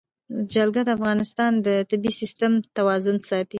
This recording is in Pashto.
جلګه د افغانستان د طبعي سیسټم توازن ساتي.